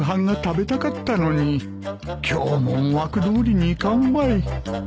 今日も思惑どおりにいかんわい